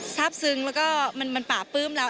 ซึ้งแล้วก็มันป่าปื้มแล้ว